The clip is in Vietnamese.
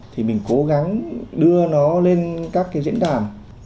thì mình cố gắng đưa nó lên các cái diễn đàn